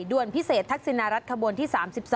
ด่วนพิเศษทักษิณรัฐขบวนที่๓๒